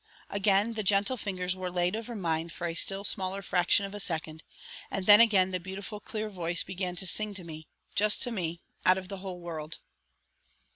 Again the gentle fingers were laid over mine for a still smaller fraction of a second, and then again the beautiful, clear voice began to sing to me, just to me, out of the whole world.